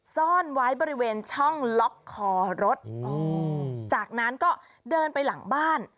ซ่อนไว้บริเวณช่องล็อกคอรถจากนั้นก็เดินไปหลังบ้าน